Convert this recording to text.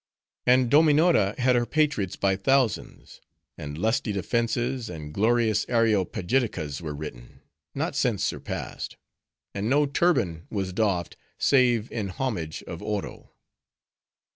And Dominora had her patriots by thousands; and lusty Defenses, and glorious Areopagiticas were written, not since surpassed; and no turban was doffed save in homage of Oro.